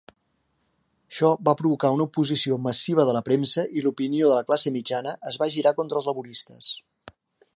Això va provocar una oposició massiva de la premsa i l'opinió de la classe mitjana es va girar contra els laboristes.